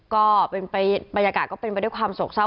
ก็บรรยากาศก็เป็นไปด้วยความโศกเศร้า